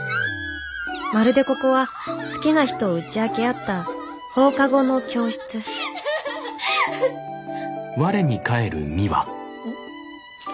まるでここは好きな人を打ち明け合った放課後の教室ん？